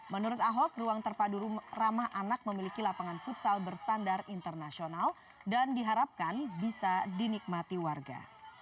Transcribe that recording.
menurut ahok ruang terpadu ramah anak memiliki lapangan futsal berstandar internasional dan diharapkan bisa dinikmati warga